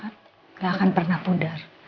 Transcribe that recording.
nggak akan pernah pudar